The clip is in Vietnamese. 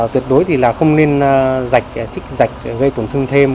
tuyệt đối thì là không nên dạch trích dạch gây tổn thương thêm